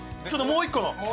ちょっともう一個の。